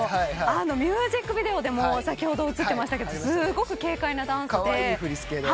ミュージックビデオでも先ほど映ってましたけどすごく軽快なダンスで。